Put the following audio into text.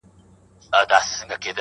د سیالانو سره کله به سمېږې،